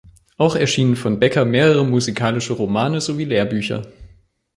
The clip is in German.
Auch erschienen von Becker mehrere musikalische Romane sowie Lehrbücher.